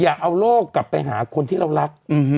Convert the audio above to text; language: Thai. อย่าเอาโลกกลับไปหาคนที่เรารัก